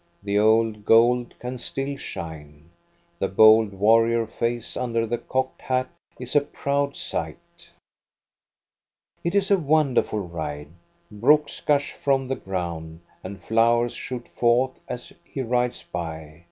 The old gold can still shine. The bold war rior face under the cocked hat is a proud sight. It is a wonderful ride. Brooks gush from the ground, and flowers shoot forth, as he rides by.